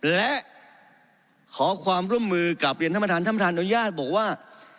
และขอความร่วมมือกลับเรียนท่านประธานท่านประธานอนุญาตบอกว่า